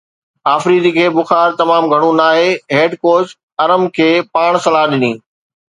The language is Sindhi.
آفريدي کي بخار تمام گهڻو ناهي، هيڊ ڪوچ ارم کي پاڻ صلاح ڏني